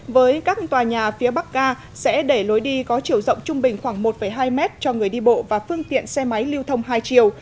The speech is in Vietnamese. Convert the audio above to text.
với các tòa nhà phía bắc ga sẽ để lối đi có chiều rộng trung bình khoảng một hai m cho người đi bộ và phương tiện xe máy lưu thông hai chiều